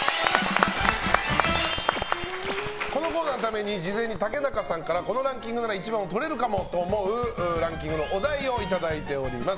このコーナーのために事前に竹中さんからこのランキングなら１番をとれるかもと思うランキングのお題をいただいております。